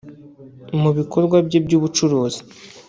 Mu bikorwa bye by’ubucuruzi